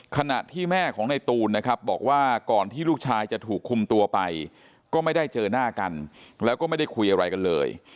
ขณะที่แม่ของในตูนนะครับบอกว่าก่อนที่ลูกชายจะถูกคุมตัวไปก็ไม่ได้เจอหน้ากันแล้วก็ไม่ได้คุยอะไรกันเลย